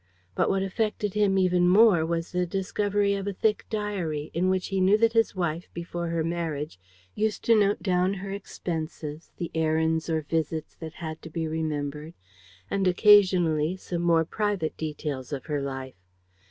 But what affected him even more was the discovery of a thick diary, in which he knew that his wife, before her marriage, used to note down her expenses, the errands or visits that had to be remembered and, occasionally, some more private details of her life.